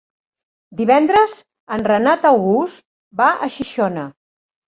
Divendres en Renat August va a Xixona.